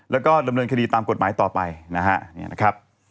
แล้วก็ดำเนินคดีตามกฎหมายต่อไปนะฮะนี่นะครับ